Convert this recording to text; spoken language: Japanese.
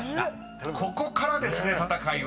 ［ここからですね戦いは］